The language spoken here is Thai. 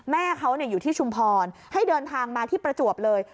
แม่เขาอยู่ที่ชุมพรให้เดินทางมาที่ประจวบเลย